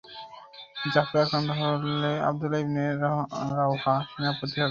জাফর আক্রান্ত হলে আব্দুল্লাহ ইবনে রাওয়াহা সেনাপতি হবে।